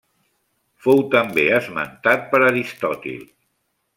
Fou també esmentat per Aristòtil.